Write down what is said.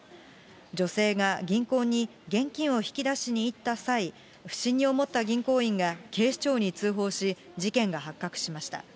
女性が銀行に現金を引き出しに行った際、不審に思った銀行員が、警視庁に通報し、事件が発覚しました。